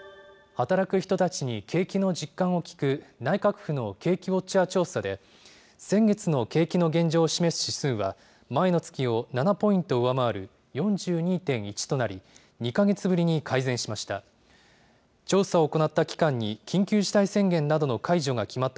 働く人たちに景気の実感を聞く、内閣府の景気ウォッチャー調査で、先月の景気の現状を示す指数は、前の月を７ポイント上回る４２でん、４２．１となり、２か月ぶりに改善しました。